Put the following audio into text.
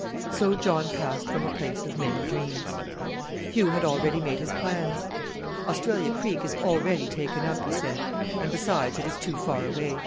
So John passed from a place of many dreams. Hugh had already made his plans. "Australia Creek is already taken up," he said, "and, besides, it is too far away.